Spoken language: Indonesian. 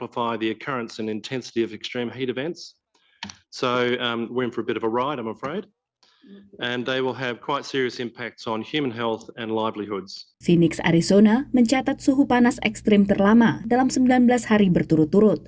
fenix arizona mencatat suhu panas ekstrim terlama dalam sembilan belas hari berturut turut